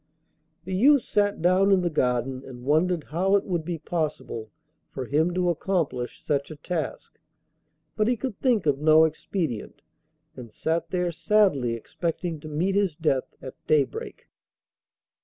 The youth sat down in the garden and wondered how it would be possible for him to accomplish such a task, but he could think of no expedient, and sat there sadly expecting to meet his death at daybreak.